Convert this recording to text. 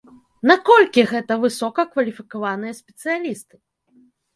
Наколькі гэта высока кваліфікаваныя спецыялісты?